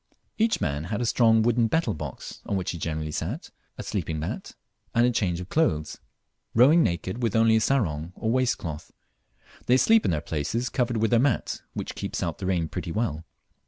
Each man had a strong wooden "betel" box, on which he generally sat, a sleeping mat, and a change of clothes rowing naked, with only a sarong or a waistcloth. They sleep in their places, covered with their mat, which keeps out the rain pretty well.